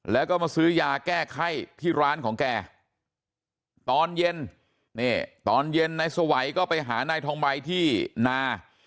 แล้วก็มาซื้อยาแก้ไข้ที่ร้านของแกตอนเย็นนี่ตอนเย็นนายสวัยก็ไปหานายทองใบที่นา